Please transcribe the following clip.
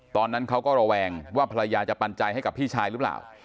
ตอนนั้นเขาก็ระแวงว่าภรรยาจะปันใจให้กับพี่ชายหรือเปล่า